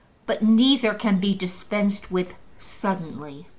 But neither can be dispensed with suddenly.